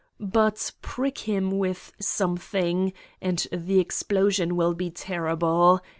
But prick him with something and the explosion will be terrible